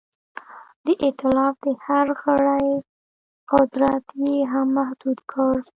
د ایتلاف د هر غړي قدرت یې هم محدود کړ.